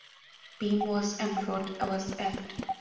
Beam was and draught was aft.